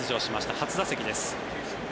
初打席です。